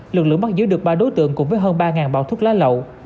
lực lượng bắt giữ được ba đối tượng cùng với hơn ba bao thuốc lá lậu